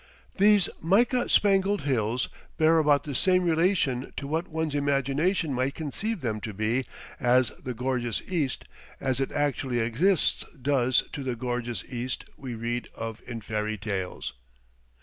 These mica spangled hills bear about the same relation to what one's imagination might conceive them to be as the "gorgeous East" as it actually exists does to the "gorgeous East" we read of in fairytales.